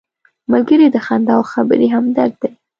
ملګری د خندا او خبرې همدرد دی